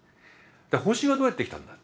星はどうやってできたんだ。